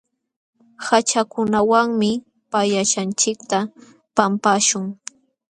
Haćhakunawanmi pallaśhqanchikta pampaśhun.